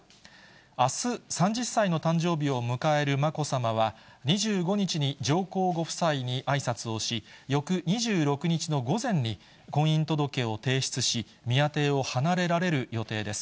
あす、３０歳の誕生日を迎えるまこさまは、２５日に上皇ご夫妻にあいさつをし、翌２６日の午前に婚姻届を提出し、宮邸を離れられる予定です。